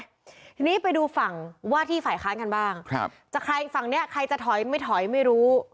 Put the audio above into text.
ทีนี้ไปดูฝั่งว่าที่ฝ่ายค้านกันบ้างครับจะใครฝั่งเนี้ยใครจะถอยไม่ถอยไม่รู้